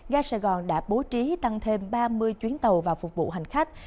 ga sài gòn đã bố trí tăng thêm ba mươi chuyến tàu và phục vụ hành khách